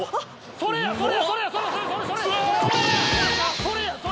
それやそれそれ！